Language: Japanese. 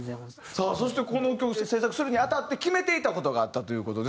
さあそしてこの曲制作するに当たって決めていた事があったという事で。